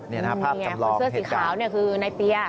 คอนเสื้อสีขาวคือนายเปีย